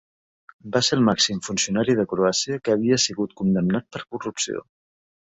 Va ser el màxim funcionari de Croàcia que havia sigut condemnat per corrupció.